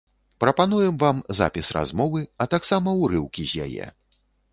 Прапануем вам запіс размовы, а таксама ўрыўкі з яе.